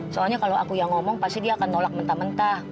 soalnya kalau aku yang ngomong pasti dia akan nolak mentah mentah